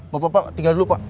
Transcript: bapak bapak tinggal dulu pak